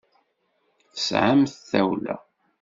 Tesɛamt tawla.